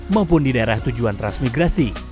maupun di daerah tujuan transmigrasi